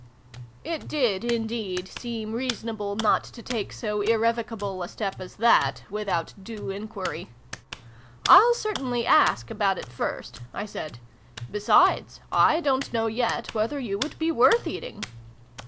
It did indeed seem reasonable not to take so irrevocable a step as that, without due enquiry. " I'll certainly ask about it, first," I said. " Be sides, I don't know yet whether you would be worth eating